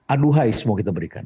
aduhai semua kita berikan